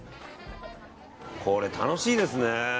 これ楽しいですね。